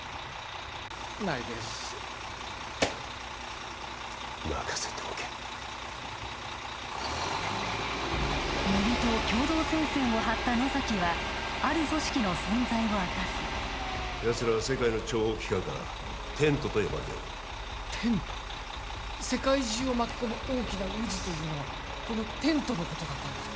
ないです任せておけはあ乃木と共同戦線を張った野崎はある組織の存在を明かすやつらは世界の諜報機関からテントと呼ばれてるテント世界中を巻き込む大きな渦というのはこのテントのことだったんですか？